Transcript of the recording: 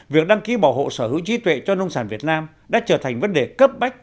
việc đăng ký bảo hộ sở hữu trí tuệ cho nông sản việt nam đã trở thành vấn đề cấp bách